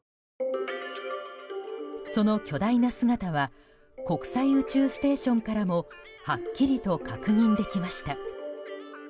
その巨大な姿は国際宇宙ステーションからもはっきりと確認できました。